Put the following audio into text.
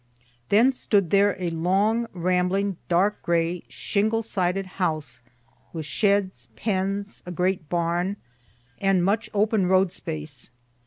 Then stood there a long rambling, dark gray, shingle sided house, with sheds, pens, a great barn, and much open road space.